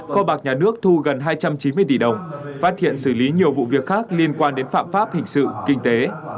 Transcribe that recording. kho bạc nhà nước thu gần hai trăm chín mươi tỷ đồng phát hiện xử lý nhiều vụ việc khác liên quan đến phạm pháp hình sự kinh tế